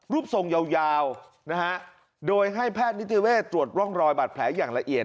ทรงยาวนะฮะโดยให้แพทย์นิติเวศตรวจร่องรอยบาดแผลอย่างละเอียด